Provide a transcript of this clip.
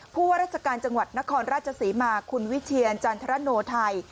ผู้ว่าราชการจังหวัดนครราชศรีมาคุณวิเทียนจันทรโนไทย